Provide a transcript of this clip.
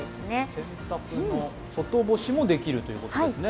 洗濯の外干しもできるということですね。